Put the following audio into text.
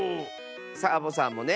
サボさんもね！